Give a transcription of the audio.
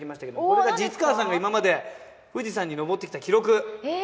これが實川さんが今まで富士山に登ってきた記録へえ！